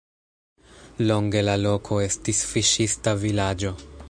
Longe la loko estis fiŝista vilaĝo.